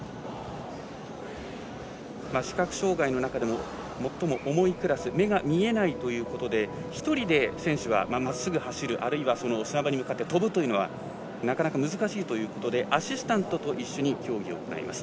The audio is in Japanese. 視覚障がいの中でも最も重いクラス目が見えないということで１人で選手はまっすぐ走る、あるいは砂場に向かって跳ぶというのはなかなか難しいということでアシスタントと一緒に競技を行います。